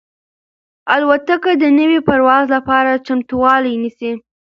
الوتکه د نوي پرواز لپاره چمتووالی نیسي.